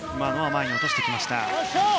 前に落としてきました。